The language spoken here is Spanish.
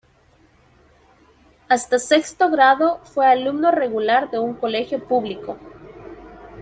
Hasta sexto grado fue alumno regular de un colegio público.